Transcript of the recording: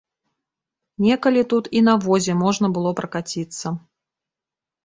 Некалі тут і на возе можна было пракаціцца.